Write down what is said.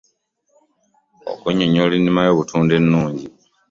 Okunnyonnyola ennima y’obutunda ennungi.